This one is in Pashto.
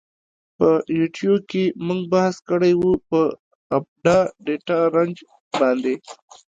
په یوټیو کی مونږ بحث کړی وه په آپډا ډیټا رنج باندی.